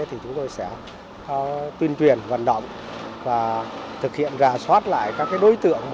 thì chúng tôi sẽ tuyên truyền vận động và thực hiện rà soát lại các đối tượng